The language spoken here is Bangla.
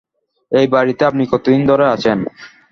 এই বাড়িতে আপনি কত দিন ধরে আছেন।